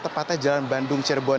tepatnya jalan bandung cirebon